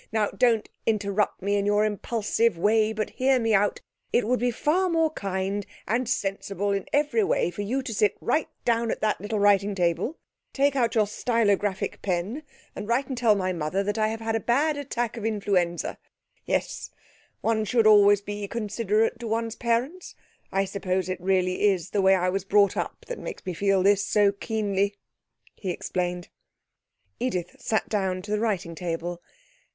'Now, don't interrupt me in your impulsive way, but hear me out it would be far more kind and sensible in every way for you to sit right down at that little writing table, take out your stylographic pen and write and tell my mother that I have a bad attack of influenza.... Yes; one should always be considerate to one's parents. I suppose it really is the way I was brought up that makes me feel this so keenly,' he explained. Edith sat down to the writing table.